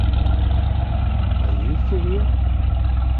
Are You for Real?